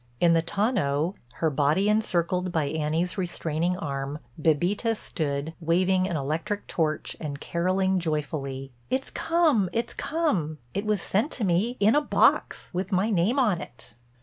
In the tonneau, her body encircled by Annie's restraining arm, Bébita stood, waving an electric torch and caroling joyfully: "It's come—it's come. It was sent to me, in a box, with my name on it."